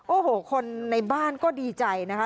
โอ้โหคนในบ้านก็ดีใจนะคะ